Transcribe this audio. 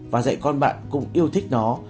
và dạy con bạn cũng yêu thích nó